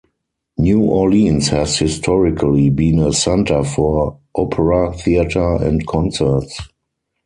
New Orleans has historically been a center for opera, theatre, and concerts.